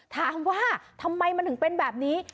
ถามว่าทำไมมันถึงเป็นแบบนี้